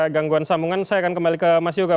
gangguan sambungan saya akan kembali ke mas yoga